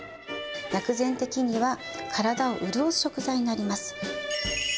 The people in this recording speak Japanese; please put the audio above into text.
薬膳的には体を潤す食材になります。